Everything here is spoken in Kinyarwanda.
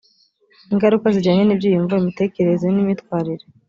ingaruka zijyanye n ibyiyumvo imitekerereze n imyitwarire